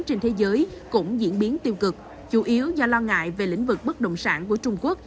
trên thế giới cũng diễn biến tiêu cực chủ yếu do lo ngại về lĩnh vực bất động sản của trung quốc